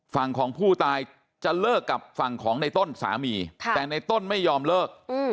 ฝั่งของผู้ตายจะเลิกกับฝั่งของในต้นสามีแต่ในต้นไม่ยอมเลิก